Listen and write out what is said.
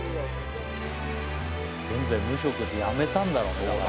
現在無職辞めたんだろうねだから。